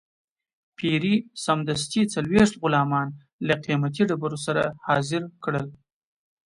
پیري سمدستي څلوېښت غلامان له قیمتي ډبرو سره حاضر کړل.